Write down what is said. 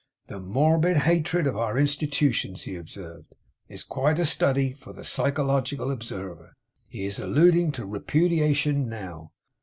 'This morbid hatred of our Institutions,' he observed, 'is quite a study for the psychological observer. He's alludin' to Repudiation now!